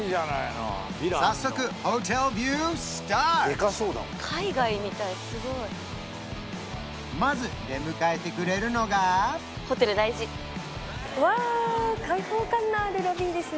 早速まず出迎えてくれるのがうわ